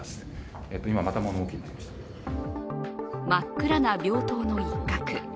真っ暗な病棟の一角。